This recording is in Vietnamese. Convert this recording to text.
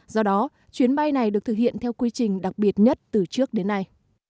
do đó chuyến bay này được thực hiện theo quy trình đặc biệt nhất từ trước đến nay